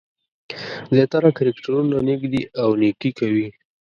زیاتره کرکټرونه نېک دي او نېکي کوي.